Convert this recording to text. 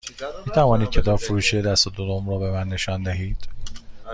می توانید کتاب فروشی دست دوم رو به من نشان دهید؟